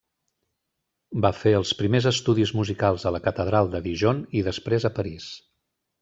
Va fer els primers estudis musicals a la catedral de Dijon i després a París.